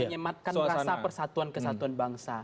menyematkan rasa persatuan kesatuan bangsa